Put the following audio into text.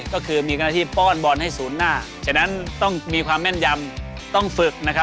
ก็คือมีหน้าที่ป้อนบอลให้ศูนย์หน้าฉะนั้นต้องมีความแม่นยำต้องฝึกนะครับ